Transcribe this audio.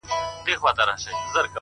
اوس که را هم سي پر څنک رانه تېرېږي.